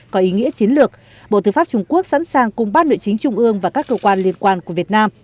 có ý nghĩa chiến lược bộ tư pháp trung quốc sẵn sàng cùng bác nội chính trung ương và các cơ quan liên quan của việt nam